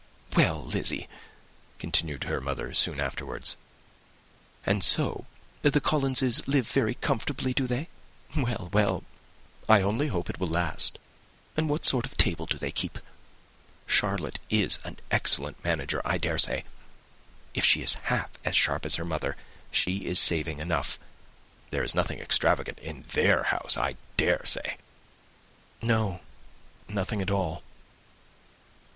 "Well, Lizzy," continued her mother, soon afterwards, "and so the Collinses live very comfortable, do they? Well, well, I only hope it will last. And what sort of table do they keep? Charlotte is an excellent manager, I dare say. If she is half as sharp as her mother, she is saving enough. There is nothing extravagant in their housekeeping, I dare say." "No, nothing at all."